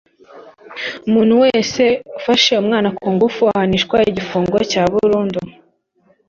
umuntu wese ufashe umwana kungufu ahanishwa igifungo cya burundu